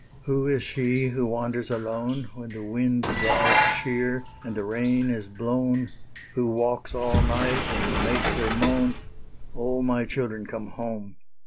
Who is she who wanders alone, When the wind drives sheer and the rain is blown? Who walks all night and makes her moan, "O, my children, come home!"